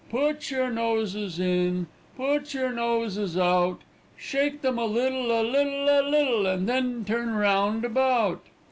Put your noses in, Put your noses out, Shake them a little, a little, a little. And then turn round about."